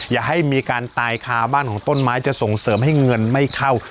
อย่าให้มีการตายคาบ้านของต้นไม้จะส่งเสริมให้เงินไม่เข้า